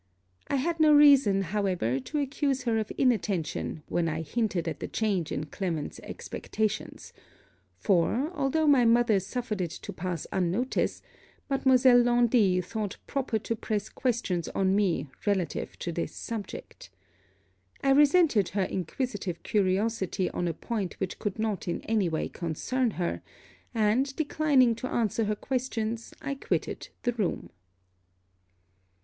I had no reason, however, to accuse her of inattention when I hinted at the change in Clement's expectations; for, although my mother suffered it to pass unnoticed, Mademoiselle Laundy thought proper to press questions on me relative to this subject. I resented her inquisitive curiosity on a point which could not in any way concern her; and, declining to answer her questions, I quitted the room.